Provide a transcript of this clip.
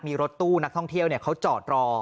มีรถตู้นักท่องเที่ยวเขาจอดรอ